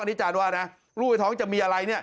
อันนี้อาจารย์ว่าลูกในท้องจะมีอะไร